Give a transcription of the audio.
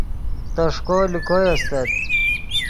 تݰکو لے کوئے استت